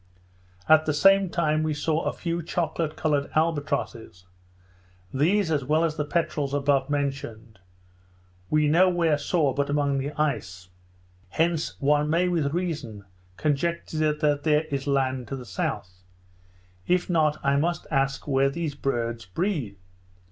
At the same time we saw a few chocolate coloured albatrosses; these, as well as the peterels above mentioned, we no where saw but among the ice; hence one may with reason conjecture that there is land to the south. If not, I must ask where these birds breed?